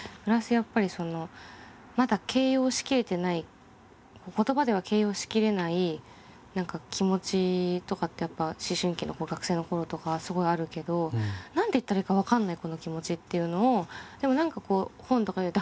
やっぱりまだ形容しきれてない言葉では形容しきれない気持ちとかってやっぱ思春期の学生の頃とかはすごいあるけど何て言ったらいいか分かんないこの気持ちっていうのをでも何か本とかで見ると